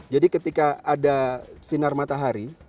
jadi ketika ada sinar matahari